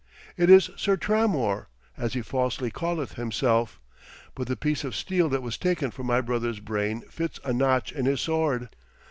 It is Sir Tramor, as he falsely calleth himself, but the piece of steel that was taken from my brother's brain fits a notch in his sword.'